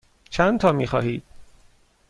چندتا می خواهید؟